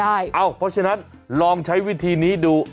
เพราะฉะนั้นลองใช้วิธีนี้ดู